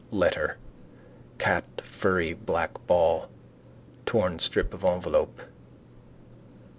Letter. Cat furry black ball. Torn strip of envelope.